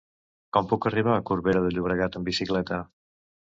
Com puc arribar a Corbera de Llobregat amb bicicleta?